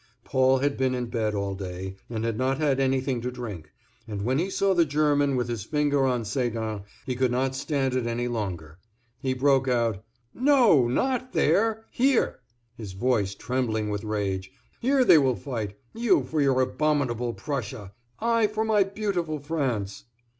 Paul had been in bed all day, and had not had anything to drink, and when he saw the German with his finger on Sedan he could not stand it any longer. He broke out: "No, not there—here," his voice trembling with rage. "Here they will fight—you for your abominable Prussia, I for my beautiful France."